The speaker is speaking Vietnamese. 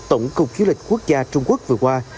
tổng cục du lịch quốc gia trung quốc vừa qua